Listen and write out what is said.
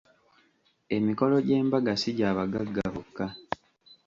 Emikolo gy'embaga si gya bagagga bokka.